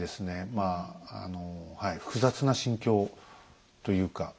まああのはい複雑な心境というか。